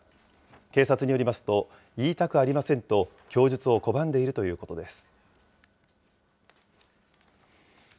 警察によりますと、言いたくありませんと供述を拒んでいるということです。